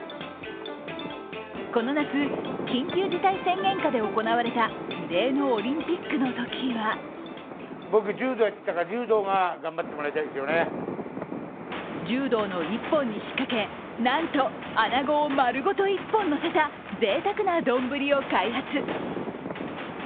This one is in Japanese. この夏、緊急事態宣言下で行われた異例のオリンピックのときは柔道の一本に引っ掛け、なんと穴子を丸ごと１本のせたぜいたくな丼を開発。